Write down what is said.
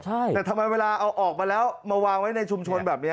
ใช่แต่ทำไมเวลาเอาออกมาแล้วมาวางไว้ในชุมชนแบบนี้